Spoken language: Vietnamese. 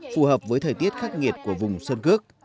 phù hợp với thời tiết khắc nghiệt của vùng sơn cước